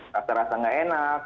rasa rasa tidak enak